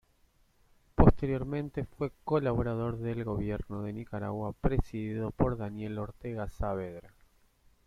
Posteriormente fue colaborador del Gobierno de Nicaragua, presidido por Daniel Ortega Saavedra.